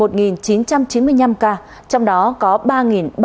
trong đó có ba ba trăm sáu mươi ba bệnh nhân đã được công bố khỏi bệnh